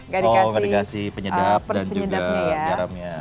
eko dikasih penyedap dan juga garamnya